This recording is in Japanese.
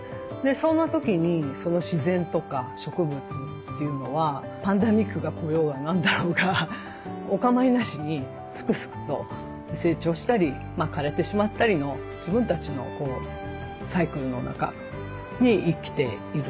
そんな時に自然とか植物というのはパンデミックが来ようが何だろうがお構いなしにすくすくと成長したり枯れてしまったりの自分たちのサイクルの中に生きている。